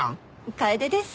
楓です。